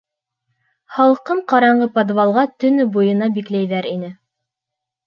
Һалҡын, ҡараңғы подвалға төнө буйына бикләйҙәр ине.